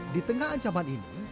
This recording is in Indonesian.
di tengah ancaman ini